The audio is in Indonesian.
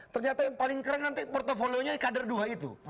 ternyata yang paling keren nanti portfolionya kader dua itu